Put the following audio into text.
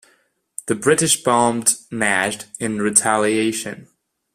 The British bombed Najd in retaliation.